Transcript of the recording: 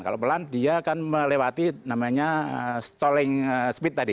kalau pelan dia akan melewati namanya stalling speed tadi